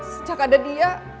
sejak ada dia